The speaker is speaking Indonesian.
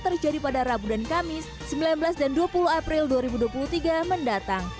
terjadi pada rabu dan kamis sembilan belas dan dua puluh april dua ribu dua puluh tiga mendatang